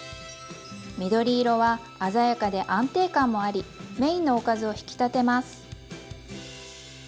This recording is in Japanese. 緑色は鮮やかで安定感もありメインのおかずを引き立てます。